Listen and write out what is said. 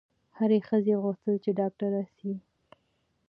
هري ښځي غوښتل چي ډاکټره سي